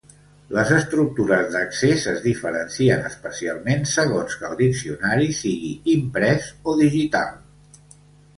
Les estructures d'accés es diferencien especialment segons que el diccionari sigui imprès o digital.